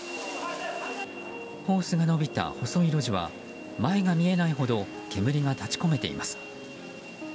ホースが延びた細い路地は前が見えないほど煙が立ち込めています。